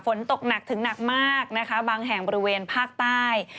ฝนตกหนักถึงหนักมากนะคะบางแห่งบริเวณภาคใต้